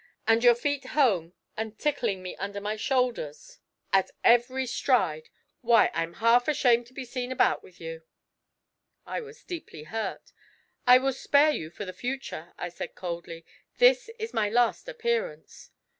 And your feet "home," and tickling me under my shoulders at every stride why, I'm half ashamed to be seen about with you.' I was deeply hurt. 'I will spare you for the future,' I said coldly; 'this is my last appearance.'